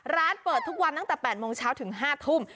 ร้านเปิดทุกวันตั้งแต่๘โมงเช้าถึง๕ทุ่ม